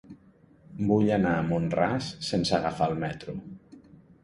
Vull anar a Mont-ras sense agafar el metro.